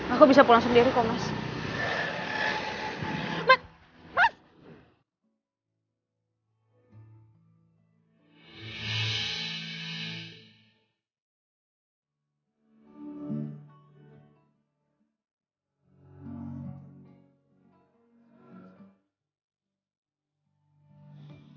aku bisa pulang sendiri kalau masuk